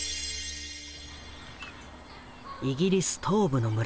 イギリス東部の村